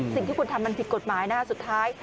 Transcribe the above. สิ่งที่คุณทำมันผิดกฎหมายนะฮะสุดท้าย